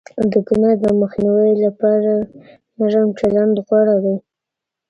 د گناه د مخنيوي لپاره نرم چلند غوره دی.